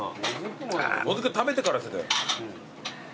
もずく食べてからっつってたよ。